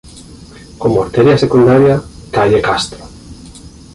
Como arteria secundaria: calle Castro.